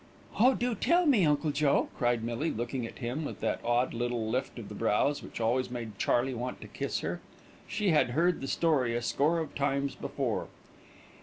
"Oh! do tell me, Uncle Joe," cried Millie, looking at him with that odd little lift of the brows, which always made Charley want to kiss her. She had heard the story a score of times before.